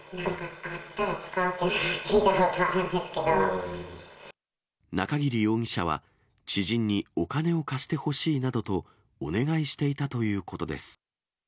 あったら使うと聞いたことは中桐容疑者は、知人にお金を貸してほしいなどと、お願いしていたということです。